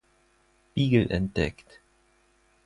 Beagle entdeckt.